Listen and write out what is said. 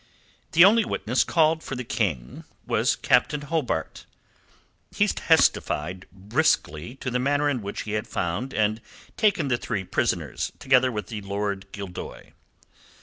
The only witness called for the King was Captain Hobart. He testified briskly to the manner in which he had found and taken the three prisoners, together with Lord Gildoy.